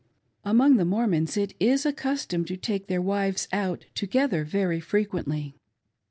Among the Mormons it is a custom to take their wives out together very frequently.